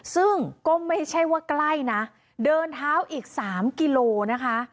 ซึ่งก็ไม่ใช่ว่าใกล้นะเดินเท้าอีก๓กิโลนะคะ